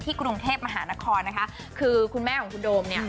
ขึ้นคุณท่มหานครคือคุณแม่ของคุณโดมเนี่ย